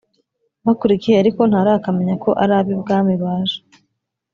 bakurikiye ariko ntarakamenya ko arabibwami baje.